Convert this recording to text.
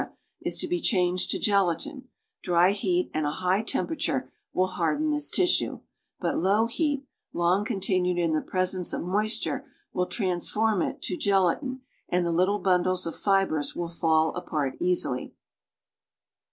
is to he changed to gelatine; dry heat and a high temperature will harden this tissne, bnt low heat, long continued in the presence of moisture, will transform it to gel atine, and the little bundles of fibres will fall apart easily.